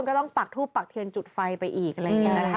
ทุกคนก็ต้องปักทูปปักเถียงจุดไฟไปอีกอะไรอย่างนี้